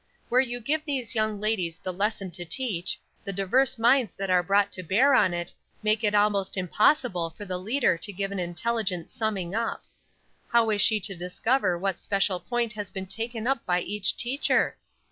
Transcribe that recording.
"Where you give these young ladies the lesson to teach, the diverse minds that are brought to bear on it make it almost impossible for the leader to give an intelligent summing up. How is she to discover what special point has been taken up by each teacher?